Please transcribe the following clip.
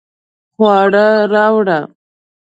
خواړه راوړه